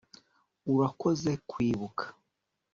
urakoze kwibuka